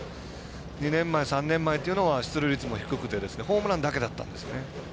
２年前、３年前というのは出塁率も低くてホームランだけだったんですよね。